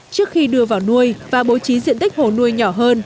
trước khi đưa vào nuôi và bố trí diện tích hồ nuôi nhỏ hơn